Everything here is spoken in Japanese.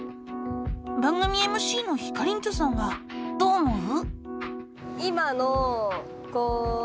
番組ＭＣのひかりんちょさんはどう思う？